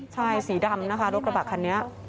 ใช่สีดำนะคะรถกระบะคันนี้